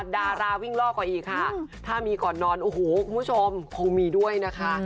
ดาราวิ่งล่อกว่าอีกค่ะถ้ามีก่อนนอนโอ้โหคุณผู้ชมคงมีด้วยนะคะ